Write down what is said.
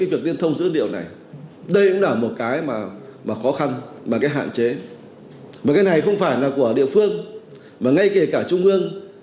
và cái này không phải là của địa phương mà ngay kể cả trung ương